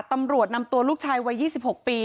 ตำรวจนำตัวลูกชายวัย๒๖ปี